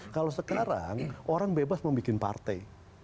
kalau sekarang orang bebas membuat partai